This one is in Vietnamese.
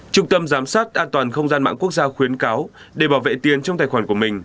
trung tâm giám sát an toàn không gian mạng quốc gia khuyến cáo để bảo vệ tiền trong tài khoản của mình